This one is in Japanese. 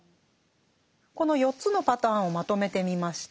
この４つのパターンをまとめてみました。